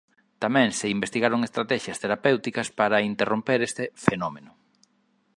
Tamén se investigaron estratexias terapéuticas para interromper este fenómeno.